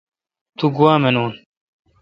تو گوا منون